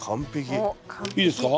いいですか？